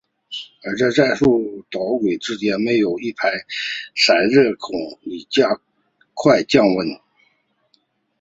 而在战术导轨之间设有一排散热孔以加快降温。